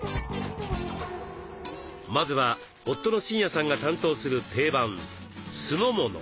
まずは夫の真也さんが担当する定番酢の物。